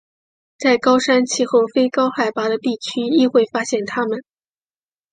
在高山气候非高海拔的地区亦会发现它们。